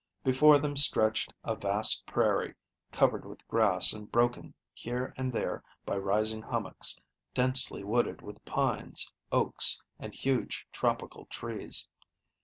Before them stretched a vast prairie, covered with grass and broken here and there by rising hummocks, densely wooded with pines, oaks and huge tropical trees.